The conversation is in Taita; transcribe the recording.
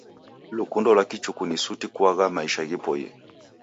Lukundo lwa kichuku ni suti kwa kuagha maisha ghiboie.